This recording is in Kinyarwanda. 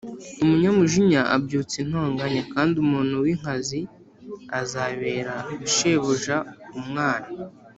Umunyamujinya abyutsa intonganya kandi umuntu winkazi azabera shebuja umwana